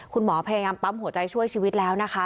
คุณหมอพยายามปั๊มหัวใจช่วยชีวิตแล้วนะคะ